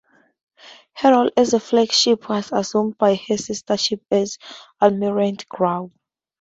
Her role as flagship was assumed by her sistership as "Almirante Grau".